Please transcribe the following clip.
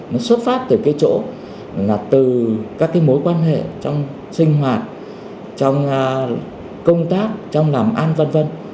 nó xuất phát từ các mối quan hệ trong sinh hoạt trong công tác trong làm ăn v v